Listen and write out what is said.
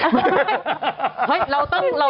เฮ่ยเราต้องเราต้อง